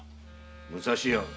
武蔵屋。